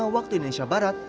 waktu indonesia barat